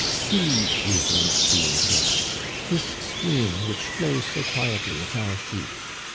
" See," resumed the old man, " this stream which flows so quietly at our feet.